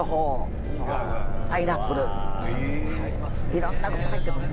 いろんな具が入ってます。